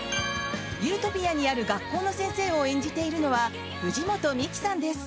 ユートピアにある学校の先生を演じているのは藤本美貴さんです。